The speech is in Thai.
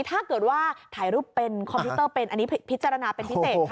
ถ้าเกิดว่าถ่ายรูปเป็นคอมพิวเตอร์เป็นอันนี้พิจารณาเป็นพิเศษค่ะ